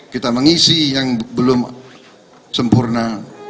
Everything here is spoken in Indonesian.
kita mengisi yang belum sempurna